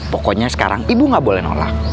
pokoknya sekarang ibu gak boleh nolak